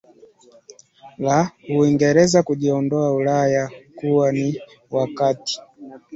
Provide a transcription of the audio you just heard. la Uingereza kujiondoa Ulaya kuwa ni wakati